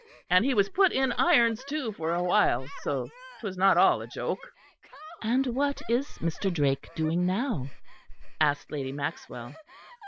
And he was put in irons, too, for a while; so 'twas not all a joke." "And what is Mr. Drake doing now?" asked Lady Maxwell.